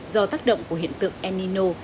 do tác động của hiện tượng el nino